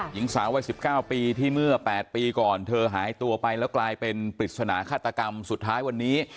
หญิงสาววัย๑๙ปีที่เมื่อ๘ปีก่อนเธอหายตัวไปแล้วกลายเป็นปริศนาฆาตกรรมสุดท้ายวันนี้